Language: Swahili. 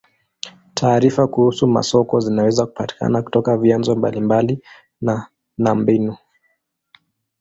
Taarifa kuhusu masoko zinaweza kupatikana kutoka vyanzo mbalimbali na na mbinu.